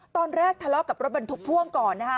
ตอนแรกทะเลาะกับรถมันถูกพ่วงก่อน